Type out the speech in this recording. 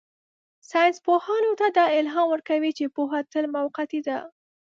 ساینسپوهانو ته دا الهام ورکوي چې پوهه تل موقتي ده.